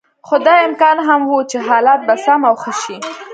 خو دا امکان هم و چې حالات به سم او ښه شي.